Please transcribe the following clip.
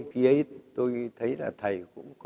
khi ấy tôi thấy là thầy cũng khó